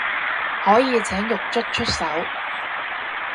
可以請獄卒出手